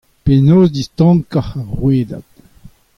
Penaos distankañ ar rouedad ?